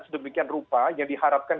sedemikian rupa yang diharapkan